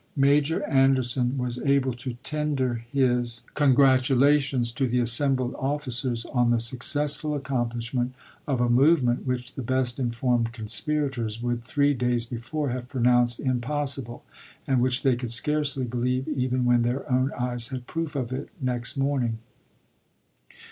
Major Anderson was able to tender his wi.fP.I01' 54 ABRAHAM LINCOLN chap. iv. congratulations to the assembled officers on the successful accomplishment of a movement which the best informed conspirators would three days before have pronounced impossible, and which they could scarcely believe even when their own eyes had proof of it next morning.